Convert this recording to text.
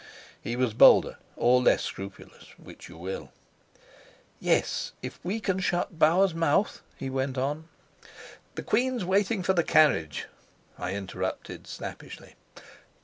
He was bolder, or less scrupulous which you will. "Yes, if we can shut Bauer's mouth." he went on. "The queen's waiting for the carriage," I interrupted snappishly.